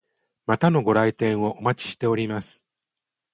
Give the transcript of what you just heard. またのご来店をお待ちしております。